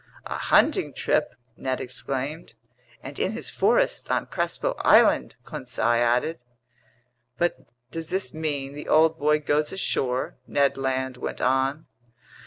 "A hunting trip!" Ned exclaimed. "And in his forests on Crespo Island!" Conseil added. "But does this mean the old boy goes ashore?" Ned Land went on.